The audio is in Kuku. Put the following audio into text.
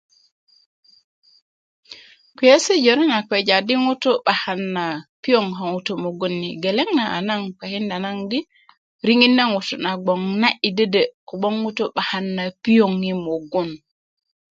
kpiyesi' jore na kpeja di ŋutu' 'bakan na piyoŋ ko ŋutu' mugun ni geleŋ na kpekinda naŋ di riŋait na ŋutu' na gboŋ na'di dödö ko ŋutu' mugun ni ko gboŋ ŋutu' 'bakan na piyoŋ yi mugun ni